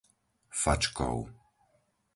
Fačkov